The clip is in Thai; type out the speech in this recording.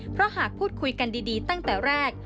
เพราะหากพูดคุยกันดีตั้งแต่แรก